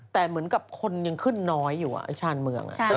แต่เหมือนกับคนยังขึ้นน้อยอยู่ไอ้ชานเมือง